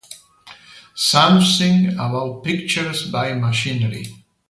Something about pictures by machinery.